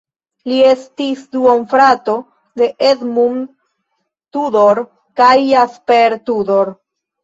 Li estis duonfrato de Edmund Tudor kaj Jasper Tudor.